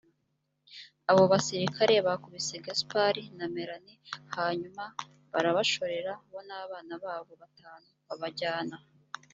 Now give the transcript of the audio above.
abo basirikare bakubise gaspard na melanie hanyuma barabashorera bo n abana babo batanu babajyana